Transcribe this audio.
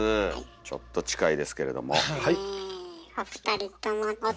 ちょっと近いですけれども。ね。